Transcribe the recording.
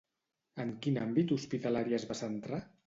En quin àmbit hospitalari es va centrar?